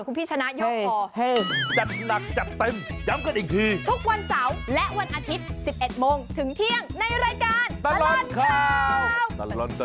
มันเชิงไทยรัฐ